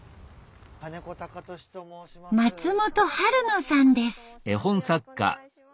松本春野さんです。